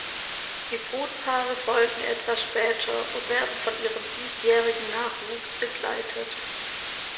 Die Brutpaare folgen etwas später und werden von ihrem diesjährigen Nachwuchs begleitet.